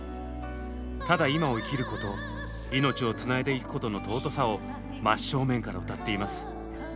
ただ今を生きること命をつないでいくことの尊さを真正面から歌っています。